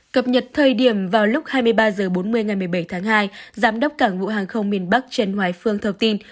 cập nhật thời điểm vào lúc hai mươi ba h bốn mươi ngày một mươi bảy tháng hai giám đốc cảng vụ hàng không miền bắc trần hoài phương thông tin